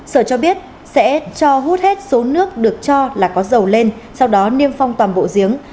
sở cho biết sẽ cho hút hết số nước được cho là có dầu lên sau đó niêm phong toàn bộ giếng